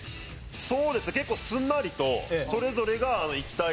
そうですね結構すんなりとそれぞれがいきたい